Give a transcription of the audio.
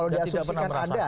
kalau di asumsikan ada